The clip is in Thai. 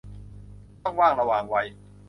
ช่องว่างระหว่างวัย